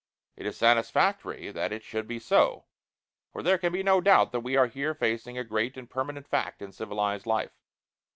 It is satisfactory that it should be so, for there can be no doubt that we are here facing a great and permanent fact in civilized life.